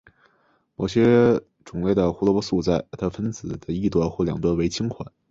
某些种类的胡萝卜素的分子的一端或两端为烃环。